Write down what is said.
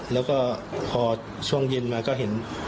แล้วก็พอช่วงเย็นมาก็เห็น